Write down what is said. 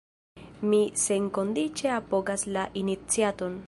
Mi senkondiĉe apogas la iniciaton.